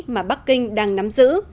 của bắc kinh đang nắm giữ